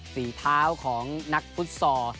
ฝีเท้าของนักฟุตซอล